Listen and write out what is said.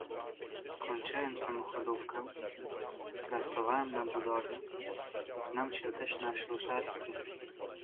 Skończyłem samochodówkę, pracowałem na budowie, znam się też na ślusarstwie.